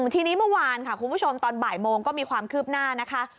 ทีนี้เมื่อวานค่ะคุณผู้ชมตอนบ่ายโมงก็มีความคืบหน้านะคะ